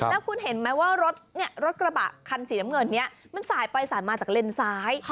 แล้วคุณเห็นไหมว่ารถกระบะคันสีน้ำเงินนี้มันสายไปสายมาจากเลนซ้าย